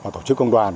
tổ chức công đoàn